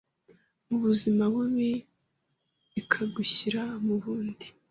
mu buzima bubi ikagushyira mu bundi,